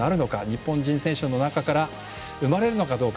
日本人選手の中から生まれるのかどうか。